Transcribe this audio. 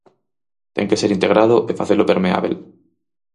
Ten que ser integrado e facelo permeábel.